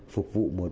phục vụ một